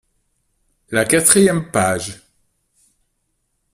La quatrième page.